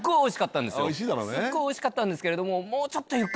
すっごいおいしかったんですけれどももうちょっと。